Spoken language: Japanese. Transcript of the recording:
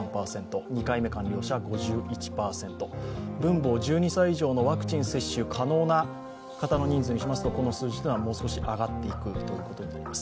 分母を１２歳以上のワクチン接種可能にしますと、この数字というのはもう少し上がっていくことになります。